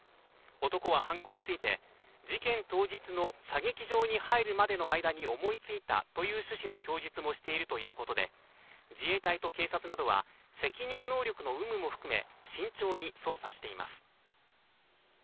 男は犯行について、事件当日の射撃場に入るまでの間に思いついたという趣旨の供述もしているということで自衛隊と警察などは責任能力の有無も含め、慎重に捜査しています。